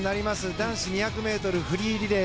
男子２００ｍフリーリレー。